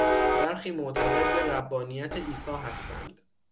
برخی معتقد به ربانیت عیسی هستند.